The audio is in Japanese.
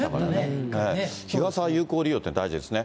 日傘の有効利用って大事ですね。